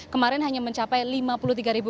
kemarin hanya mencapai lima puluh tiga ribu